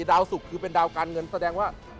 ดาวสุกคือเป็นดาวการเงินแสดงว่า